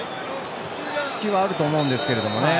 隙はあると思うんですけれどもね。